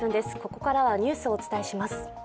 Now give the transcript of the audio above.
ここからはニュースをお伝えします。